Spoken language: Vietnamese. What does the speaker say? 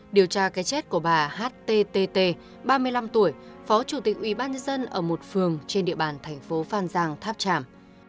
điều tra cái chết của bà httt ba mươi năm tuổi phó chủ tịch ubnd một phường trên địa bàn thành phố phan rang tháp tràm